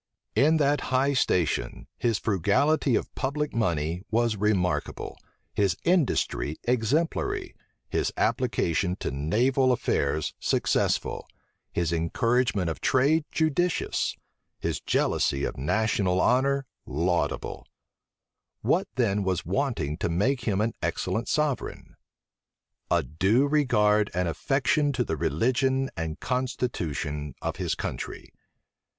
In that high station, his frugality of public money was remarkable, his industry exemplary, his application to naval affairs successful, his encouragement of trade judicious, his jealousy of national honor laudable: what then was wanting to make him an excellent sovereign? A due regard and affection to the religion and constitution of his country.